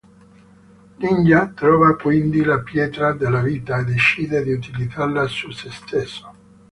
Ninja trova quindi la pietra della vita e decide di utilizzarla su se stesso.